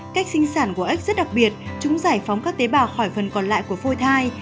cách sinh sản của ếch rất đặc biệt chúng giải phóng các tế bào khỏi phần còn lại của phôi thai